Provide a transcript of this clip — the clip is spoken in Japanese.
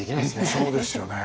そうですよね。